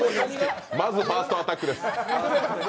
まずファーストアタックです。